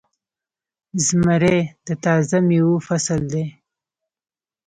زمری د تازه میوو فصل دی.